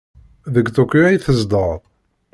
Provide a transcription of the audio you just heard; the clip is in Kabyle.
Deg Tokyo ay tzedɣeḍ?